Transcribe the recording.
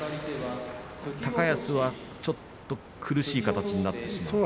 高安はちょっと苦しい形になってしまいました。